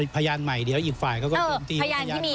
พยานใหม่เดี๋ยวอีกฝ่าเขาก็ต้องตี